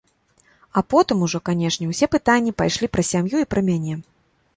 А потым ужо, канешне, усе пытанні пайшлі пра сям'ю і пра мяне.